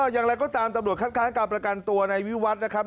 อย่างไรก็ตามตำรวจคัดค้างการประกันตัวในวิวัตรนะครับ